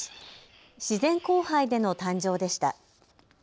自然交配での誕生でした。